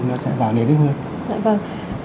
nó sẽ vào nền nước hơn